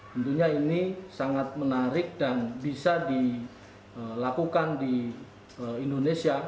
tentunya ini sangat menarik dan bisa dilakukan di indonesia